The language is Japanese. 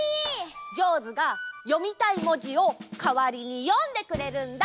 ジョーズが読みたい文字をかわりに読んでくれるんだ！